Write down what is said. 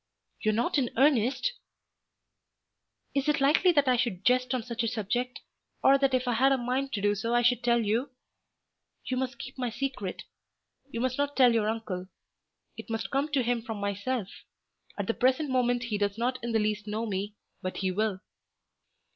"You are not in earnest?" "Is it likely that I should jest on such a subject; or that if I had a mind to do so I should tell you? You must keep my secret. You must not tell your uncle. It must come to him from myself. At the present moment he does not in the least know me, but he will."